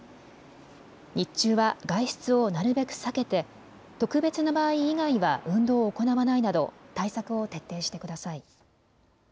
日中は外出をなるべく避けて特別な場合以外は運動を行わないなど対策を徹底してください。